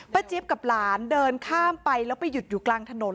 เจี๊ยบกับหลานเดินข้ามไปแล้วไปหยุดอยู่กลางถนน